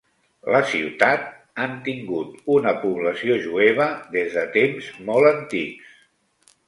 La ciutat han tingut una població jueva des de temps molt antics.